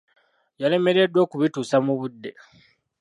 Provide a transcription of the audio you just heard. Yalemereddwa okubituusa mu budde.